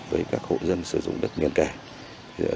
với các hộ dân sử dụng đất nghiên kẻ